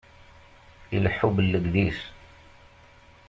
Ileḥḥu bellegdis.